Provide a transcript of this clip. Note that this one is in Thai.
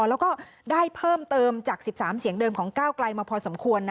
แล้วก็ได้เพิ่มเติมจาก๑๓เสียงเดิมของก้าวไกลมาพอสมควร